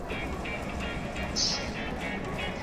出身于山形县上山市。